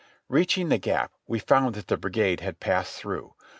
Reaching the Gap we found that the brigade had passed through.